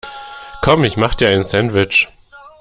Komm ich mach dir ein Sandwich.